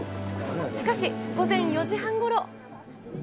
しかし、午前４時半ごろ。